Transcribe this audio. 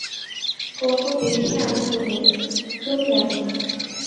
কভু দেখি আমি তুমি, তুমি আমি।